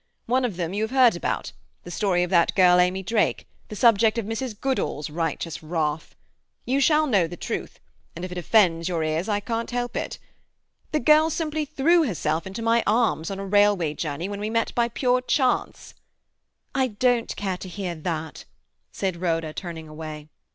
One of them you have heard about—the story of that girl Amy Drake—the subject of Mrs. Goodall's righteous wrath. You shall know the truth, and if it offends your ears I can't help it. The girl simply threw herself into my arms, on a railway journey, when we met by pure chance." "I don't care to hear that," said Rhoda, turning away.